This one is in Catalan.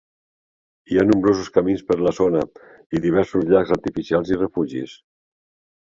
Hi ha nombrosos camins per la zona i diversos llacs artificials i refugis.